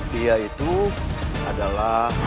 dia itu adalah